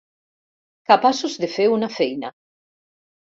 Capaços de fer una feina.